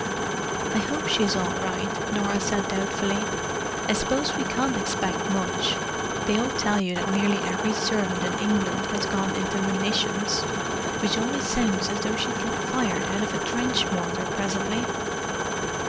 "I hope she's all right," Norah said doubtfully. "I suppose we can't expect much—they all tell you that nearly every servant in England has 'gone into munitions,' which always sounds as though she'd get fired out of a trench mortar presently."